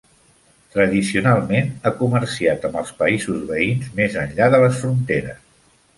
Tradicionalment, ha comerciat amb els països veïns més enllà de les fronteres.